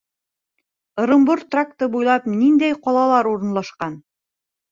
Ырымбур тракты буйлап ниндәй ҡалалар урынлашҡан?